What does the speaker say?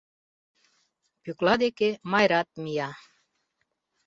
Пӧкла деке Майрат мия.